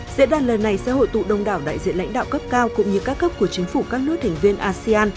diễn đàn lần này sẽ hội tụ đông đảo đại diện lãnh đạo cấp cao cũng như các cấp của chính phủ các nước thành viên asean